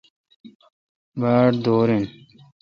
باڑ دور این۔